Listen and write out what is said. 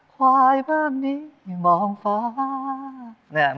ควายบ้านนี้มีมองฟ้า